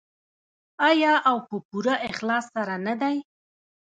آیا او په پوره اخلاص سره نه دی؟